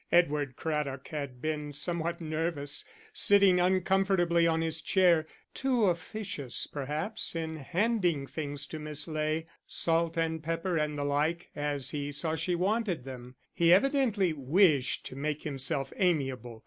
Edward Craddock had been somewhat nervous, sitting uncomfortably on his chair, too officious, perhaps, in handing things to Miss Ley, salt and pepper and the like, as he saw she wanted them. He evidently wished to make himself amiable.